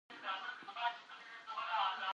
ملالۍ د ښځو لپاره بېلګه سوه.